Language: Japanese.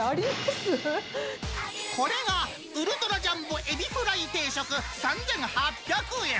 これがウルトラジャンボえびフライ定食３８００円。